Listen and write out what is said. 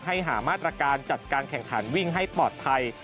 หามาตรการจัดการแข่งขันวิ่งให้ปลอดภัย